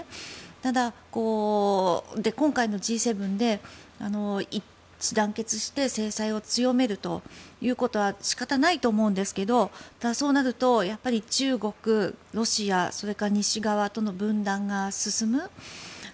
ただ、今回のＧ７で一致団結して制裁を強めるということは仕方ないと思うんですがただ、そうなると中国、ロシアそれから西側との分断が進む。